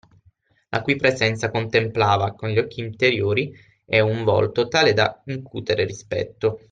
La cui presenza contemplava con gli occhi interiori e un volto tale da incutere rispetto